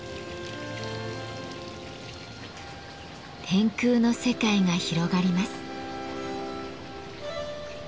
天空の世界が広がります。